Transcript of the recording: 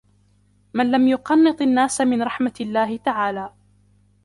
مَنْ لَمْ يُقَنِّطْ النَّاسَ مِنْ رَحْمَةِ اللَّهِ تَعَالَى